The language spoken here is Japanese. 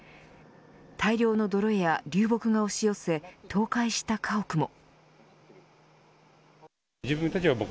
大量の泥や流木が押し寄せ倒壊した家屋も。